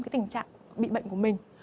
cái tình trạng bị bệnh của mình